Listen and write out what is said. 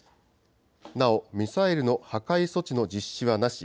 なおミサイルの破壊措置の実施はなし。